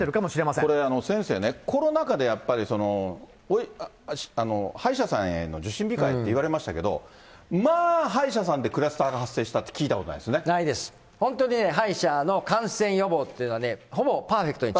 これ、先生ね、コロナ禍でやっぱり、歯医者さんへの受診控えっていわれましたけれども、まあ歯医者さんでクラスターが発生したって聞いないです、本当、歯医者の感染予防って、ほぼパーフェクトに近い。